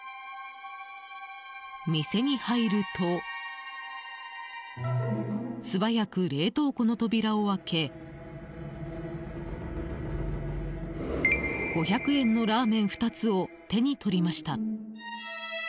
店に入ると素早く冷凍庫の扉を開け５００円のラーメン２つを手に取りました。